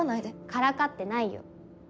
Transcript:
からかってないよ。